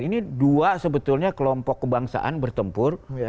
ini dua sebetulnya kelompok kebangsaan bertempur